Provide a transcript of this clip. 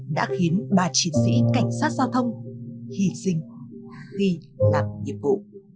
đã khiến ba chiến sĩ cảnh sát giao thông hy sinh khi làm nhiệm vụ